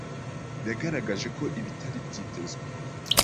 yagaragaje ko ibitari byitezwe